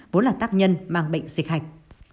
vốn là tác nhân mang bệnh dịch hạch